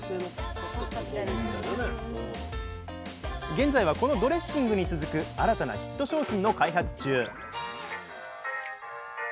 現在はこのドレッシングに続く新たなヒット商品の開発中